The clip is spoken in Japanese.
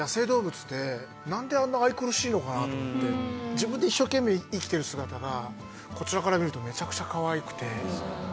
自分で一生懸命生きてる姿がこちらから見るとめちゃくちゃかわいくて。